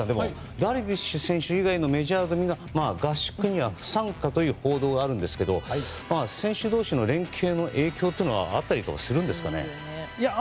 ダルビッシュ選手以外のメジャー組が合宿には不参加という報道があるんですけども選手同士の連係の影響はあったりするんですかね。